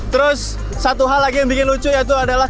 terus satu hal lagi yang bikin lucu yaitu adalah